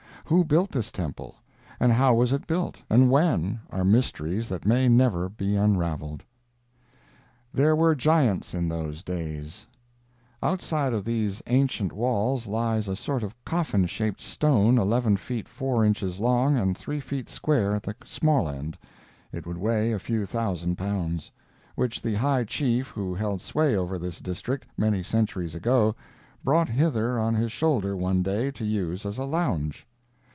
Who built this temple, and how was it built, and when, are mysteries that may never be unraveled. THERE WERE GIANTS IN THOSE DAYS Outside of these ancient walls lies a sort of coffin shaped stone eleven feet four inches long and three feet square at the small end (it would weigh a few thousand pounds), which the high chief who held sway over this district many centuries ago brought hither on his shoulder one day to use as a lounge!